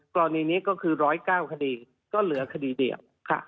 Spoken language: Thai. กรณีนี้ก็คือ๑๐๙คดีก็เหลือคดีเดียว